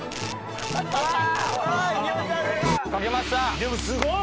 でもすごい！